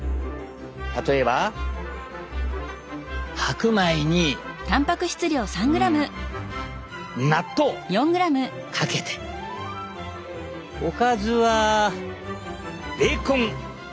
例えば白米にうん納豆をかけておかずはベーコンエッグ。